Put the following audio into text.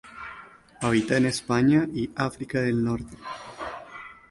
Habita en España y África del Norte.